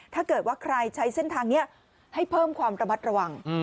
ถ้าเกิดว่าใครใช้เส้นทางนี้ให้เพิ่มความระมัดระวัง